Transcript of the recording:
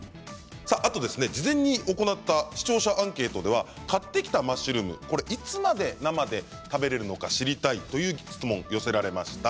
事前に行った視聴者アンケートでは買ってきたマッシュルームいつまで生で食べられるのか知りたいという質問が寄せられました。